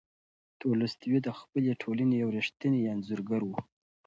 تولستوی د خپلې ټولنې یو ریښتینی انځورګر و.